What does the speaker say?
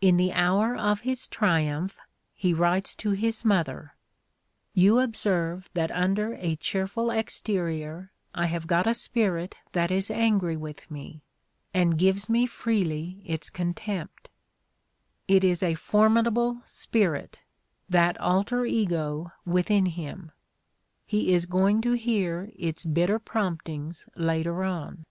In the hour of his triumph he writes to his mother: "You observe that under a cheerful exterior I have got a spirit that is angry with me and gives me freely its contempt"; it is a formidable spirit, that alter ego within him, — ^he is going to hear its bitter prompt ings later on.